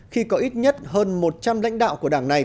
khi có ít nhất hơn một trăm linh lãnh đạo của đảng này